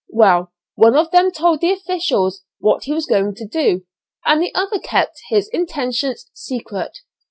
Well, one of them told the officials what he was going to do, and the other kept his intentions secret.